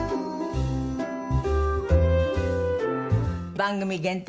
番組限定